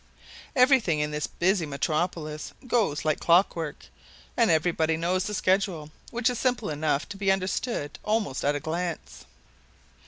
Everything in this busy metropolis goes like clock work, and everybody knows the schedule, which is simple enough to be understood almost at a glance.